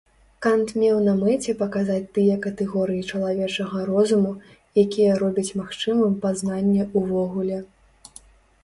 Кант меў на мэце паказаць тыя катэгорыі чалавечага розуму, якія робяць магчымым пазнанне ўвогуле.